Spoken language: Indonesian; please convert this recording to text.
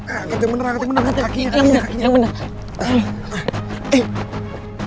angkat yang bener angkat yang bener